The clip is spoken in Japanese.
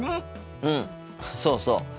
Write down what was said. うんそうそう。